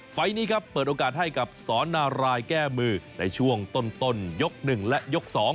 ไฟล์นี้ครับเปิดโอกาสให้กับสอนนารายแก้มือในช่วงต้นยก๑และยก๒